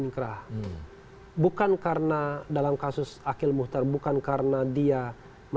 dan setelah itu